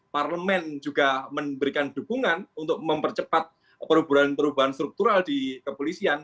parlemen juga memberikan dukungan untuk mempercepat perubahan perubahan struktural di kepolisian